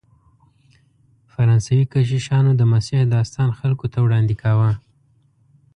فرانسوي کشیشانو د مسیح داستان خلکو ته وړاندې کاوه.